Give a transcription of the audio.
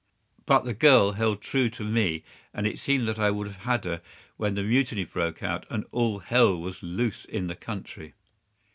But the girl held true to me, and it seemed that I would have had her when the Mutiny broke out, and all hell was loose in the country.